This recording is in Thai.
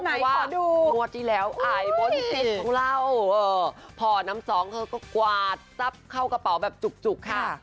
ไหนขอดูมัวที่แล้วอายบนติดของเราพอน้ำสองเขาก็กวาดซับเข้ากระเป๋าแบบจุกค่ะ